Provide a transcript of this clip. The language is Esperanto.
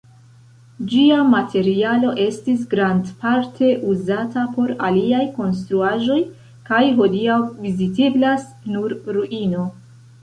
Ĝia materialo estis grandparte uzata por aliaj konstruaĵoj kaj hodiaŭ viziteblas nur ruino.